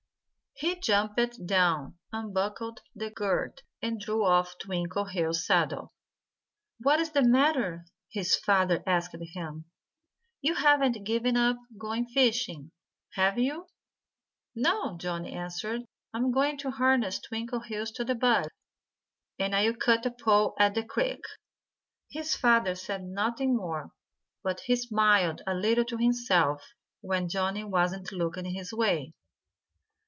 He jumped down, unbuckled the girth, and drew off Twinkleheels' saddle. "What's the matter?" his father asked him. "You haven't given up going fishing have you?" "No!" Johnnie answered. "I'm going to harness Twinkleheels to the buggy. And I'll cut a pole at the creek." His father said nothing more. But he smiled a little to himself when Johnnie wasn't looking his way.